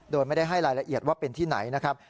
โดยไม่ได้ให้รายละเอียดว่าเป็นที่ไหนนะครับ